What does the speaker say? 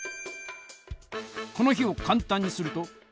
この比をかんたんにすると？